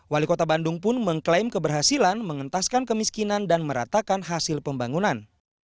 wali kota bandung pun mengklaim keberhasilan mengentaskan kemiskinan dan meratakan hasil pembangunan